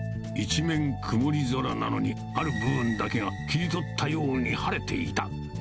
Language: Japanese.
一面曇り空なのに、ある部分だけが切り取ったように晴れていた。